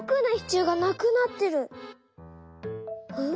「うん？」。